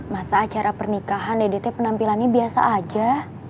masa acara pernikahan dede teh penampilannya biasa aja